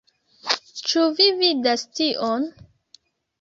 Ĉu vi vidas tion?